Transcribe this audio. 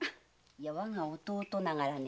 我が弟ながらね